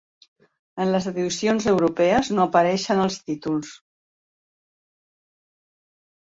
En les edicions europees no apareixen als títols.